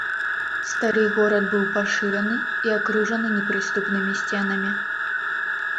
Стары горад быў пашыраны і акружаны непрыступнымі сценамі.